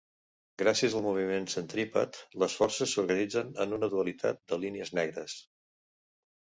Gràcies al moviment centrípet, les forces s'organitzen en una dualitat de línies negres.